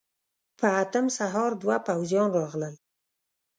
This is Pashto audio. په اتم سهار دوه پوځيان راغلل.